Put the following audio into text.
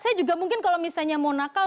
saya juga mungkin kalau misalnya mau nakal